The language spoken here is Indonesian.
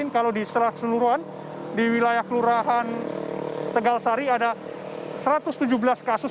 kalau di seluruhan di wilayah kelurahan tegal sari ada satu ratus tujuh belas kasus